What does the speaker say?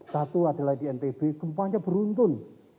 satu adalah di ntb gempanya beruntun